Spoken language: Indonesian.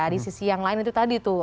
di sisi yang lain itu tadi tuh